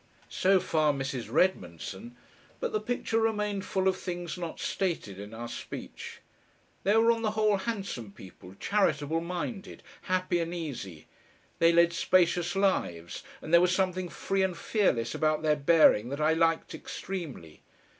So far Mrs. Redmondson, but the picture remained full of things not stated in our speech. They were on the whole handsome people, charitable minded, happy, and easy. They led spacious lives, and there was something free and fearless about their bearing that I liked extremely.